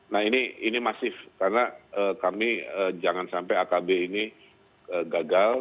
nah ini masif karena kami jangan sampai akb ini gagal